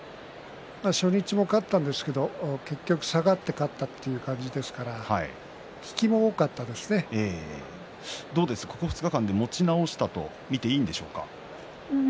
初日は勝ったんですけど結局下がって勝ったという感じですからここ２日間で持ち直したと見ていいんでしょうか。